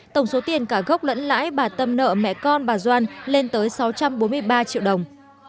tổng số tiền cả gốc lẫn lãi bà tâm nợ mẹ con bà doan lên tới sáu trăm bốn mươi ba triệu đồng